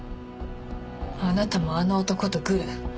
あなたもあの男とグル？